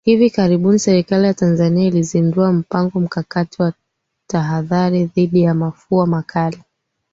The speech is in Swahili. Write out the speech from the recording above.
Hivi karibuni Serikali ya Tanzania ilizindua Mpango Mkakati wa Tahadhari Dhidi ya Mafua Makali